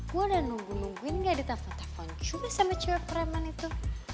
gue udah nunggu nungguin gak di telepon telepon sama cewek preman itu